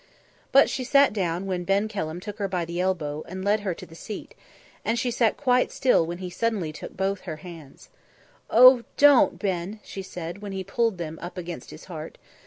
But she sat down when Ben Kelham took her by the elbow and led her to the seat; and she sat quite still when he suddenly took both her hands. "Oh! don't, Ben," she said, when he pulled them up against his heart.